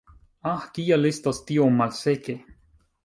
Ah, kiel estas tiom malseke!